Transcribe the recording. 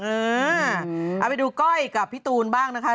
เอาไปดูก้อยกับพี่ตูนบ้างนะคะ